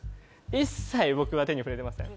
一切僕は触れてません。